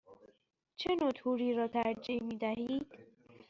چه نوع توری را ترجیح می دهید؟